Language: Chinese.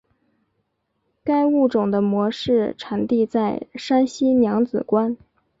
该物种的模式产地在山西娘子关。